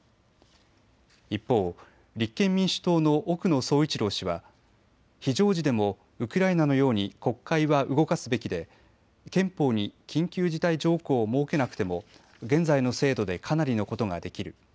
一方、立憲民主党の奥野総一郎氏は非常時でもウクライナのように国会は動かすべきで憲法に緊急事態条項を設けなくても現在の制度でかなりのことができる。